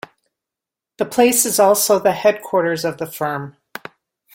The place is also the headquarters of the firm.